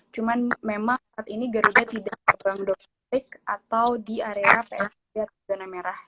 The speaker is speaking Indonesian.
cuman memang saat ini garuda tidak terbang domestik atau di area psbb atau zona merah